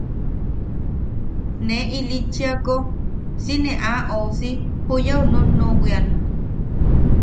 Ne ilitchiako si ne a ousi juyau nunuʼubwian.